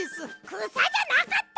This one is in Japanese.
くさじゃなかった！